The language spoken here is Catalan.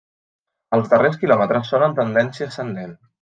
Els darrers quilòmetres són amb tendència ascendent.